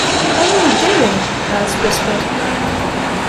‘What are they doing?’ Alice whispered.